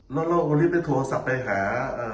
แล้วนะเราก็รีบไม่โทรศัพท์ไปหา